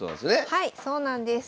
はいそうなんです。